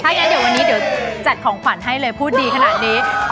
งั้นเดี๋ยววันนี้เดี๋ยวจัดของขวัญให้เลยพูดดีขนาดนี้